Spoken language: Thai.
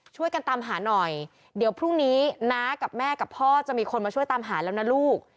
ช่วยกันตามหาหน่อยเดี๋ยวพรุ่งนี้น้ากับแม่กับพ่อจะมีคนมาช่วยตามหาแล้วนะลูก